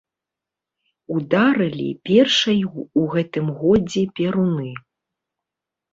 Ударылі першай у гэтым годзе перуны.